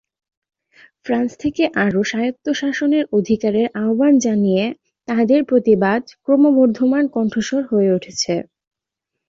France থেকে আরো স্বায়ত্তশাসনের অধিকারের আহ্বান জানিয়ে তাদের প্রতিবাদ ক্রমবর্ধমান কণ্ঠস্বর হয়ে উঠেছে।